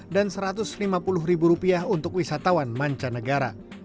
dan rp satu ratus lima puluh untuk wisatawan mancanegara